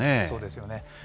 そうですよね。